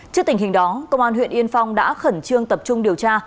trước tình hình đó công an huyện yên phong đã khẩn trương tập trung điều tra